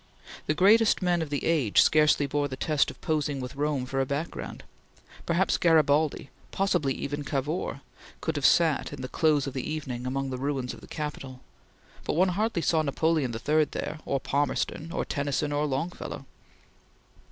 The greatest men of the age scarcely bore the test of posing with Rome for a background. Perhaps Garibaldi possibly even Cavour could have sat "in the close of the evening, among the ruins of the Capitol," but one hardly saw Napoleon III there, or Palmerston or Tennyson or Longfellow.